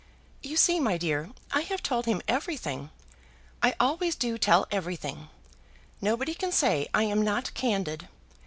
"You see, my dear, I have told him everything. I always do tell everything. Nobody can say I am not candid.